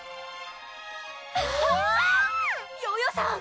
ヨヨさん